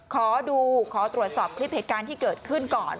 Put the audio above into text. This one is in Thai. ขอดูขอตรวจสอบคลิปเหตุการณ์ที่เกิดขึ้นก่อน